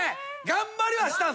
頑張りはしたんです。